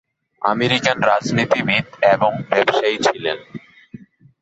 American রাজনীতিবিদ এবং ব্যবসায়ী ছিলেন।